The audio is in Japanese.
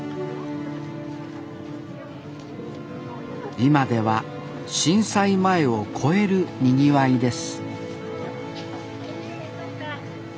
今では震災前を超えるにぎわいです